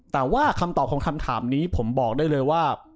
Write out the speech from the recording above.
แต่ว่าคำตอบของคำถามนี้ผมบอกได้เลยว่า